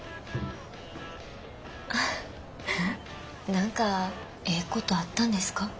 何かええことあったんですか？